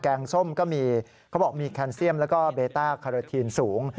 งส้มก็มีเขาบอกมีแคนเซียมแล้วก็เบต้าคาราทีนสูง